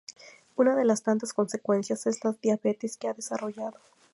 Unas de las tantas consecuencias es la diabetes que ha desarrollado.